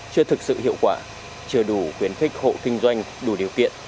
chưa thực sự hiệu quả chưa đủ khuyến khích hộ kinh doanh đủ điều kiện